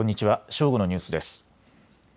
正午のニュースです。